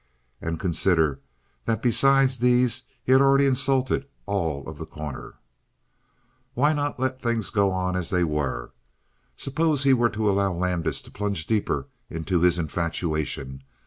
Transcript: And consider, that besides these he had already insulted all of The Corner. Why not let things go on as they were? Suppose he were to allow Landis to plunge deeper into his infatuation?